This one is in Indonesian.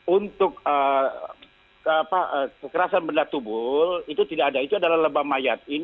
untuk kekerasan benda tubuh itu tidak ada itu adalah lebam mayat